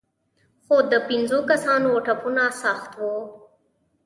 خو د پېنځو کسانو ټپونه سخت وو.